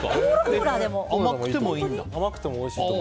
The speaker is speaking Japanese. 甘くてもいいんだ。